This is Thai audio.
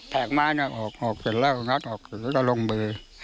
แผงมาออกเสร็จแล้วนัดออกเสร็จแล้วก็ลงมือ